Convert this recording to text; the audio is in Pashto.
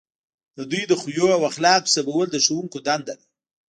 د دوی د خویونو او اخلاقو سمول د ښوونکو دنده ده.